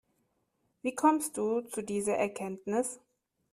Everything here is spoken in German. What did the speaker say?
Wie kommst du zu dieser Erkenntnis?